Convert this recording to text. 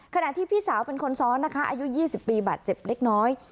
ขณะที่พี่สาวเป็นคนซ้อนนะคะอายุ๒๐ปีบาดเจ็บเล็กน้อย